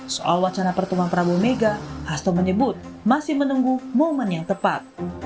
soal wacana pertemuan prabowo mega hasto menyebut masih menunggu momen yang tepat